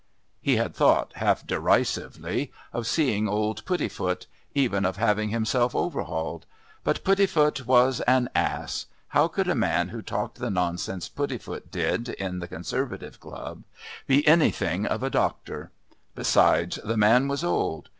He had thought, half derisively, of seeing old Puddifoot, even of having himself overhauled but Puddifoot was an ass. How could a man who talked the nonsense Puddifoot did in the Conservative Club be anything of a doctor? Besides, the man was old.